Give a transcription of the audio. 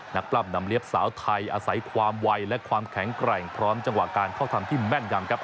ปล้ำนำเลี้ยบสาวไทยอาศัยความไวและความแข็งแกร่งพร้อมจังหวะการเข้าทำที่แม่นยำครับ